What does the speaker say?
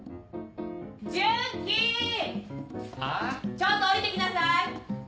・ちょっと下りてきなさい。